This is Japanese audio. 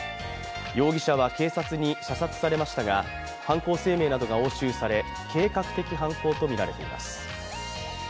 容疑者は警察に射殺されましたが、犯行声明などが押収され計画的犯行とみられています。